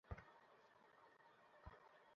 পিট, কী করেছ এটা?